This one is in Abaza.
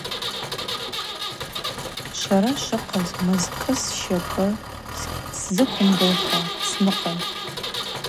Швара швыхъаз мызкӏы сщапӏы сзыквымгылхуа сныкъватӏ.